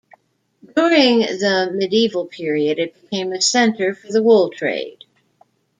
During the medieval period it became a centre for the wool trade.